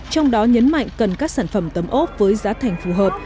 trong đó nhấn mạnh cần các sản phẩm tấm ốp với giá thành phù hợp